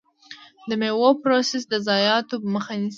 د میوو پروسس د ضایعاتو مخه نیسي.